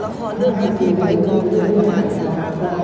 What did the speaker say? ละครเรื่องนี้พี่ไปก็ถ่ายประมาณ๔ทาง